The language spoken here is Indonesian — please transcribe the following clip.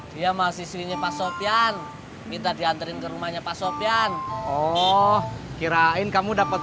dia masih sini pasok yan kita diantarin ke rumahnya pasok yan oh kirain kamu dapat